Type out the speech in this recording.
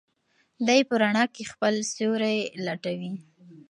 دی په رڼا کې خپل سیوری لټوي.